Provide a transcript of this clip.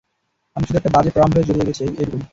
আমরা শুধু একটা বাজে প্রারম্ভে জড়িয়ে গেছি, এটুকুই।